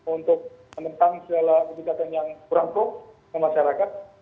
untuk menentang segala kegiatan yang kurang kok ke masyarakat